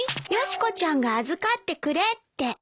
ヨシコちゃんが預かってくれって。